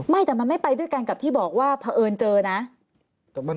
ไม่แต่มันไม่ไปด้วยกันกับที่บอกว่าเผอิญเจอนะ